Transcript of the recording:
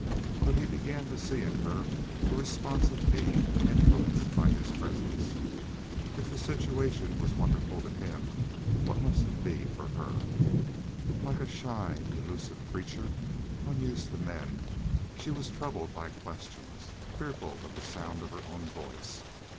But he began to see in her a responsive being, influenced by his presence. If the situation was wonderful to him what must it be for her? Like a shy, illusive creature, unused to men, she was troubled by questions, fearful of the sound of her own voice.